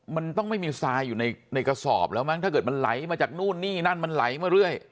มันต้องไม่มีทรายอยู่ในกระสอบแล้วมั้งถ้าเกิดมันไหลมาจากนู่นนี่นั่นมันไหลมาเรื่อย